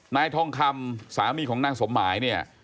นายทองคำสามีของนางสมหมายเนี่ย